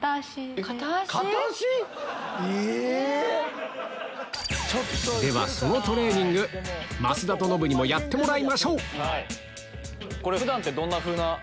片足⁉ではそのトレーニング増田とノブにもやってもらいましょうこれ普段どんなふうな。